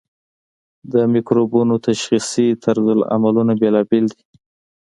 د مکروبونو تشخیصي طرزالعملونه بیلابیل دي.